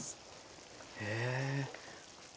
へえ。